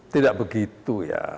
tidak begitu ya